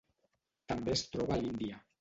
També es troba a l'Índia.